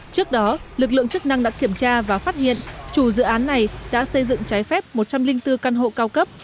trước đó lực lượng chức năng đã kiểm tra và phát hiện chủ dự án này đã xây dựng trái phép một trăm linh bốn căn hộ cao cấp